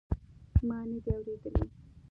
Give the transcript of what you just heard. ما ندي اورېدلي.